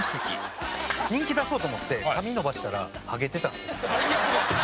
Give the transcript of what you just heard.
人気出そうと思って髪伸ばしたらハゲてたんですよ。